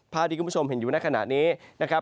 ที่คุณผู้ชมเห็นอยู่ในขณะนี้นะครับ